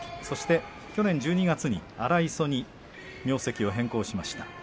そして去年１２月に荒磯に名跡を変更しました。